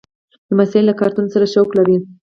لمسی له کارتون سره شوق لري.